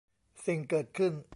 สิ่งเกิดขึ้น